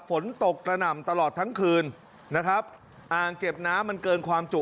ฝนตกกระหน่ำตลอดทั้งคืนนะครับอ่างเก็บน้ำมันเกินความจุ